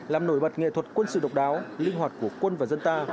làm nổi bật nghệ thuật quân sự độc đáo linh hoạt của quân và dân ta